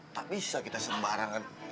tak bisa kita sembarangan